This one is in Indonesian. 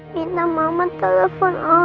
minta mama telepon aku